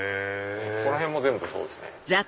このへんも全部そうですね